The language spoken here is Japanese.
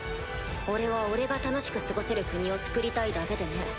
俺は俺が楽しく過ごせる国を造りたいだけでね。